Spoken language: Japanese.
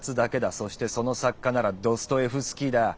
そしてその作家ならドストエフスキーだ。